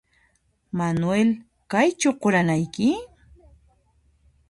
Manuel ¿Kaychu quranayki?